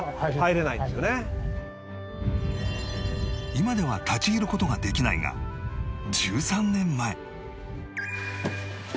今では立ち入る事ができないが１３年前